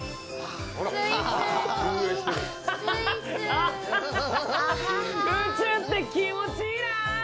あははは、宇宙って気持ちいいな。